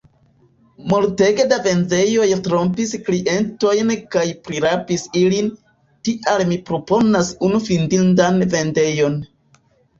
Multege da vendejoj trompis klientojn kaj prirabis ilin, tial mi proponas unu fidindan vendejon.